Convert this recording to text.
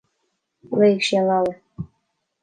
Léigh sí an leabhar.